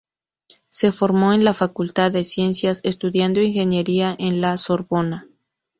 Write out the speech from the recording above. Se formó en la "Facultad de Ciencias", estudiando ingeniería en la Sorbona.